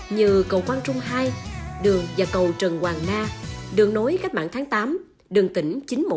như cầu quang trung hai đường và cầu trần hoàng na đường nối cách mạng tháng tám đường tỉnh chín trăm một mươi